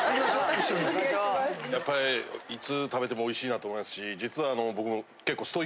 やっぱりいつ食べてもおいしいなと思いますし実はあの僕。